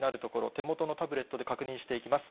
手元のタブレットで確認していきます。